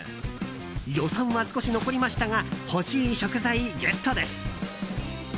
予算は少し残りましたが欲しい食材ゲットです。